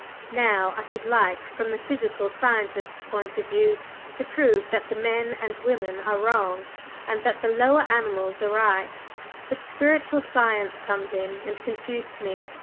Now, I should like, from the physical scientist's point of view, to prove that the men and women are wrong, and that the lower animals are right; but spiritual science comes in and confutes me.